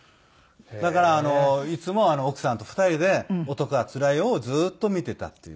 だからいつも奥さんと２人で『男はつらいよ』をずっと見ていたっていう。